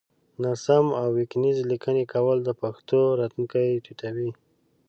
ناسم او وينگيزې ليکنې کول د پښتو راتلونکی تتوي